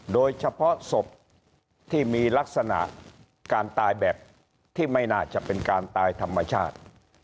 โดยเฉพาะศพที่มีลักษณะการตายแบบที่ไม่น่าจะเป็นการตายธรรมชาติ